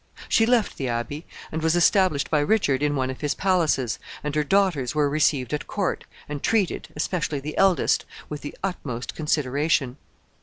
She left the Abbey, and was established by Richard in one of his palaces, and her daughters were received at court, and treated, especially the eldest, with the utmost consideration.